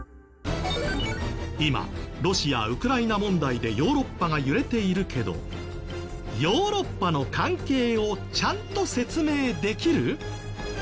今ロシア・ウクライナ問題でヨーロッパが揺れているけどヨーロッパの関係をちゃんと説明できる？